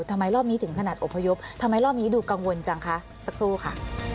ทำไมรอบนี้ถึงขนาดอพยพทำไมรอบนี้ดูกังวลจังคะสักครู่ค่ะ